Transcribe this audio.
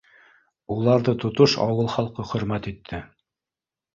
Уларҙы тотош ауыл халҡы хөрмәт итте.